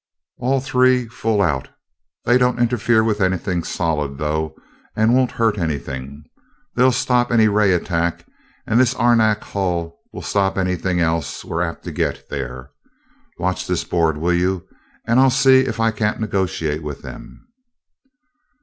"All three full out. They don't interfere with anything solid, though, and won't hurt anything. They'll stop any ray attack and this arenak hull will stop anything else we are apt to get there. Watch this board, will you, and I'll see if I can't negotiate with them."